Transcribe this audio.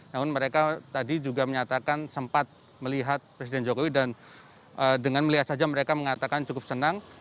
namun mereka tadi juga menyatakan sempat melihat presiden jokowi dan dengan melihat saja mereka mengatakan cukup senang